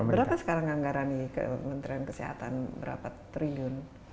berapa sekarang anggaran di kementerian kesehatan berapa triliun